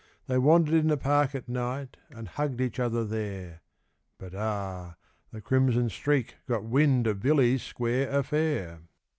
They wandered in the park at night, and hugged each other there But, ah! the Crimson Streak got wind of Billy's square affair!